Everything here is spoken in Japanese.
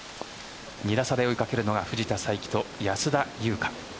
２打差で追いかけるのは藤田さいきと安田祐香。